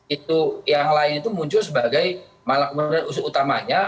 itu yang lain itu muncul sebagai malah kemudian usul utamanya